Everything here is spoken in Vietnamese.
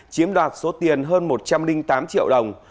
chiếm đoạt số tiền hơn một trăm linh tám triệu đồng